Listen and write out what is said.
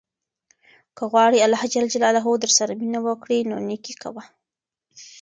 که غواړې اللهﷻ درسره مینه وکړي نو نېکي کوه.